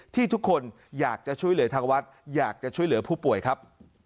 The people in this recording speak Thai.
ที่ทุกคนอยากจะช่วยเหลือทางวัดอยากจะช่วยเหลือผู้ป่วยครับ